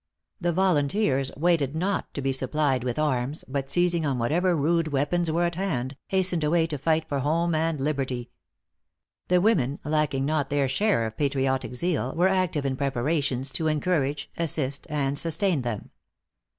The volunteers waited not to be supplied with arms, but seizing on whatever rude weapons were at hand, hastened away to fight for home and liberty. The women, lacking not their share of patriotic zeal, were active in preparations to encourage, assist, and sustain them.